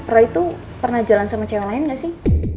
roy tuh pernah jalan sama cewek lain gak sih